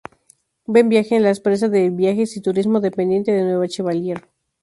Buen Viaje es la empresa de viajes y turismo dependiente de Nueva Chevallier.